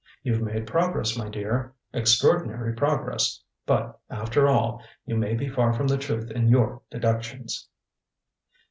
You've made progress, my dear extraordinary progress but, after all, you may be far from the truth in your deductions."